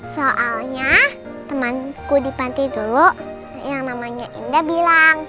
soalnya temanku di panti dulu yang namanya indah bilang